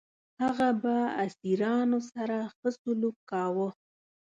هغه به اسیرانو سره ښه سلوک کاوه.